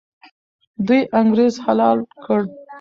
دوی انګریز حلال کړ.